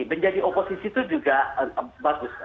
menjadi oposisi itu juga bagus